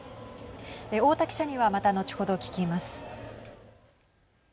太田記者にはまた後ほど聞きます。